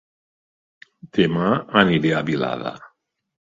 Dema aniré a Vilada